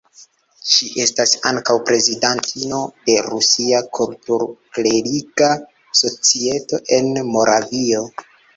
Ŝi estas ankaŭ prezidantino de Rusia Kultur-kleriga Societo en Moravio.